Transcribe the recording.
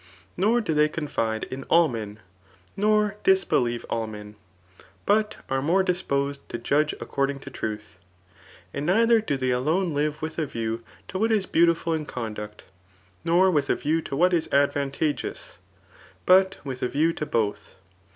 Nor do they confide in all men, nor disbelieve all men, but are more disposed to judge according to truth. And neither do they alone live with a view to what is beautiful in conduct, nor with a view to what is advantageous, but with a vieiw to both.